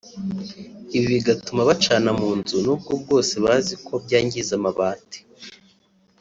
Ibi bigatuma bacana mu nzu n’ubwo bwose bazi ko byangiza amabati